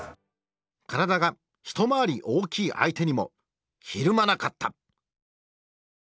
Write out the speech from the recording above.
体が一回り大きい相手にもひるまなかった。